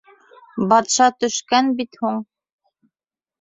Батша төшкән бит һуң.